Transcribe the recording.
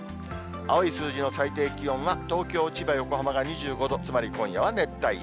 青い数字の最低気温は、東京、千葉、横浜が２５度、つまり今夜は熱帯夜。